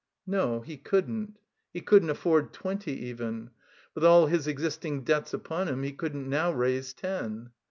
No, he couldn't. He couldn't afford twenty even. With all his existing debts upon him he couldn't now raise ten.